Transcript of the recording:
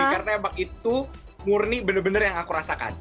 karena mbak itu murni bener bener yang aku rasakan